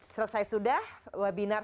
selesai sudah webinar